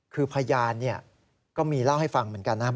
คือพยานก็มีเล่าให้ฟังเหมือนกันนะครับ